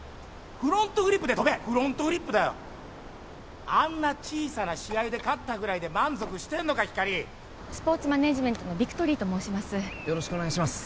フロントフリップで飛べフロントフリップだよあんな小さな試合で勝ったぐらいで満足してんのかひかりスポーツマネージメントのビクトリーと申しますよろしくお願いします